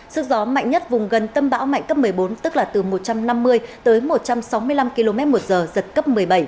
sức gió mạnh nhất vùng gần tâm bão mạnh cấp một mươi bốn tức là từ một trăm năm mươi tới một trăm sáu mươi năm km một giờ giật cấp một mươi bảy